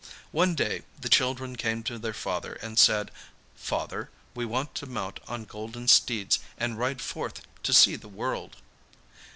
One day the children came to their father and said, 'Father, we want to mount on golden steeds, and ride forth to see the world.